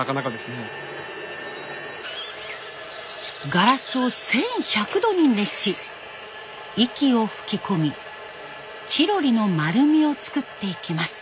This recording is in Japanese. ガラスを１，１００度に熱し息を吹き込みチロリの丸みを作っていきます。